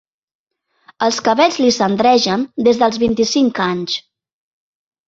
Els cabells li cendregen des dels vint-i-cinc anys.